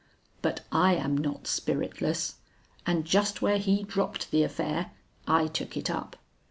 "But I am not spiritless and just where he dropped the affair, I took it up.